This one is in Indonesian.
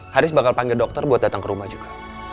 haris bakal panggil dokter buat datang ke rumah juga